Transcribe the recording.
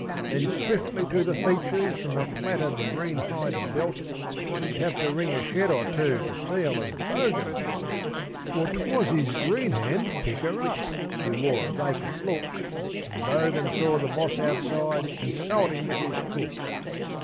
Then swiftly to the features from a plaited green hide belt You'd have to ring a shed or two to feel as Bogan felt For 'twas his green hand picker up (who wore a vacant look), And Bogan saw the Boss outside consulting with his cook.